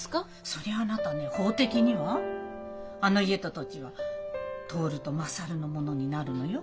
そりゃああなたね法的にはあの家と土地は徹と優のものになるのよ。